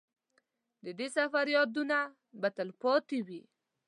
د دې سفر یادونه به تلپاتې وي.